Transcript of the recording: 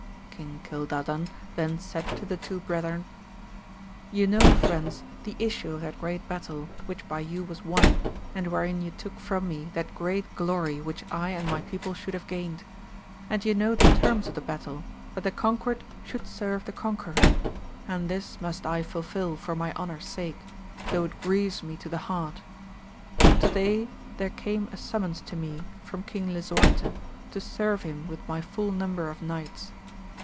King Cildadan then said to the two brethren, Ye know friends the issue of that great battle, which by you was won, and wherein ye took from me that great glory which I and my people should have gained ; and ye know the terms of the battle, that the conquered should serve the conqueror, and this must I fulfil for my honour's sake, though it grieves me to the heart. To day there came a summons to me from King Lisuarte to serve him with my full number of knights.